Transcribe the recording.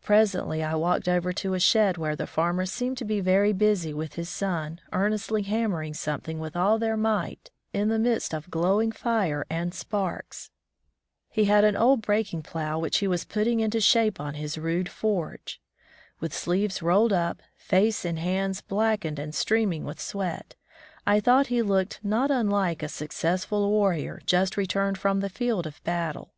Presently I walked over to a shed where the farmer seemed to be very busy with his son, earnestly hanmiering something with all their might in the midst of glowing fire and sparks. He had an old breaking plow which he was putting into shape on his rude forge. With sleeves rolled up, face and hands blackened and streaming with sweat, I thought he looked not unlike a successful warrior just returned from the field of battle.